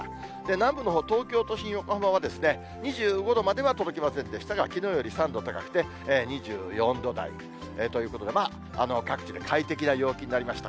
南部のほう、東京都心、横浜は２５度までは届きませんでしたが、きのうより３度高くて、２４度台ということで、各地で快適な陽気になりました。